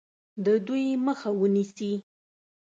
د دوی مخه ونیسي.